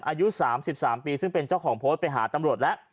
อายุ๓๓ปีซึ่งเป็นเจ้าของโพสต์ไปหาตำรวจแล้ว